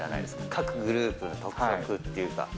各グループの特色っていうか。